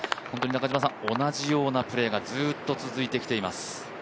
中嶋さん、同じようなプレーがずっと続いてきています。